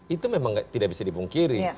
itu memang tidak bisa dipungkiri